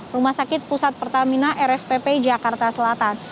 rumah sakit pusat pertamina rspp jakarta selatan